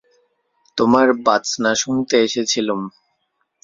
তোমার বাজনা শুনতে এসেছিলুম।